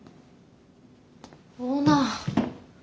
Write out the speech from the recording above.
オーナー。